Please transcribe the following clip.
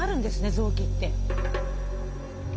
臓器って。